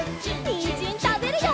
にんじんたべるよ！